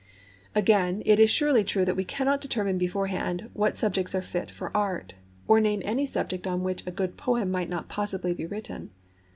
Again, it is surely true that we cannot determine beforehand what subjects are fit for Art, or name any subject on which a good poem might not possibly be written.